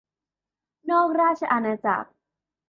นอกราชอาณาจักร